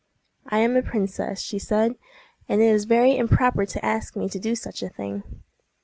"I am a princess," she said, "and it is very improper to ask me to do such a thing."